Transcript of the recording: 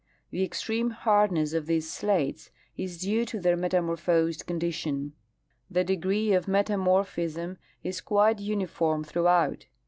The extreme hardness of these slates is due to their metamorphosed condition. The degree of meta morphism is quite uniform throughout.